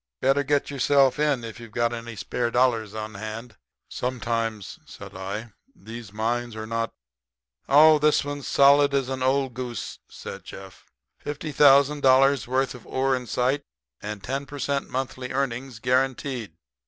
Better get in yourself if you've any spare dollars on hand." "Sometimes," said I, "these mines are not " "Oh, this one's solid as an old goose," said Jeff. "Fifty thousand dollars' worth of ore in sight, and 10 per cent. monthly earnings guaranteed."